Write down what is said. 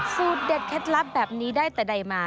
สูตรเด็ดเคล็ดลับแบบนี้ได้แต่ใดมา